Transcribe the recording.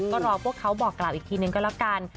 ก็รอพวกเขาบอกกล่าวอีกทีนึงก็แล้วกัน